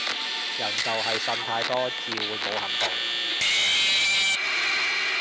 人就係呻太多至會冇行動